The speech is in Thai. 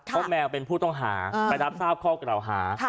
เพราะแมวเป็นผู้ต้องหาไปรับทราบข้อกล่าวหา